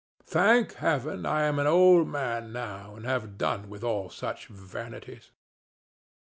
Thank Heaven I am an old man now and have done with all such vanities!